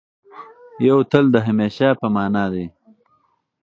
یو تل د همېشه په مانا دی.